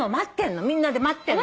みんなで待ってんの。